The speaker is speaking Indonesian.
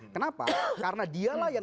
kenapa karena dia lah yang